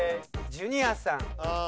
ジュニアさん。